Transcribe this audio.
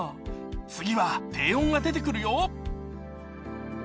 次は低音が出てくるよ